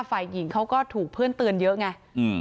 ฝ่ายหญิงเขาก็ถูกเพื่อนเตือนเยอะไง